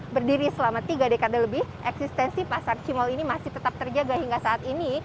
berdiri selama tiga dekade lebih eksistensi pasar cimol ini masih tetap terjaga hingga saat ini